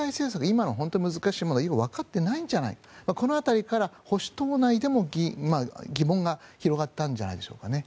今の難しい内容をわかっていないんじゃないかこの辺りから保守党内でも疑問が広がったんじゃないでしょうかね。